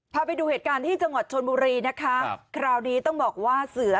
พาไปดูเหตุการณ์ที่จังหวัดชนบุรีนะคะครับคราวนี้ต้องบอกว่าเสือ